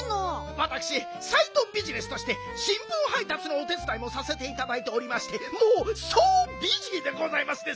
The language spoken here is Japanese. わたくしサイドビジネスとしてしんぶんはいたつのお手つだいもさせていただいておりましてもうソービジーでございますですよはい。